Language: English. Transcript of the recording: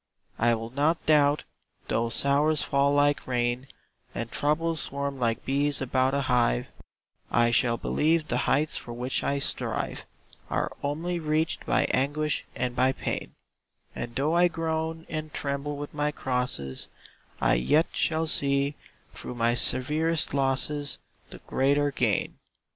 I will not doubt, though sorrows fall like rain, And troubles swarm like bees about a hive; I shall believe the heights for which I strive Are only reached by anguish and by pain; And though I groan and tremble with my crosses, I yet shall see, through my severest losses, The greater gain.